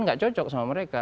tidak cocok sama mereka